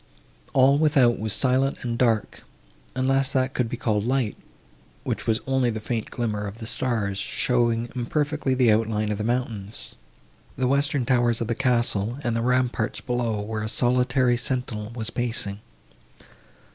All without was silent and dark, unless that could be called light, which was only the faint glimmer of the stars, showing imperfectly the outline of the mountains, the western towers of the castle and the ramparts below, where a solitary sentinel was pacing.